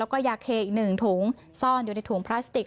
แล้วก็ยาเคอีก๑ถุงซ่อนอยู่ในถุงพลาสติก